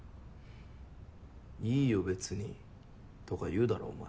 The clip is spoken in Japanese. いいよべつにとか言うだろお前。